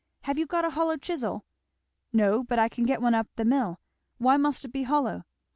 Have you got a hollow chisel?" "No, but I can get one up the hill. Why must it be hollow?"